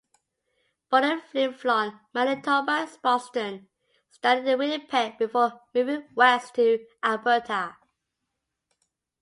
Born in Flin Flon, Manitoba, Sproxton studied in Winnipeg before moving west to Alberta.